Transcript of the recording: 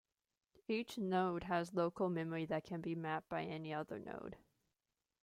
Each node has local memory that can be mapped by any other node.